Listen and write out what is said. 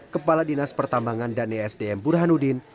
kepala dinas pertambangan dan esdm burhanuddin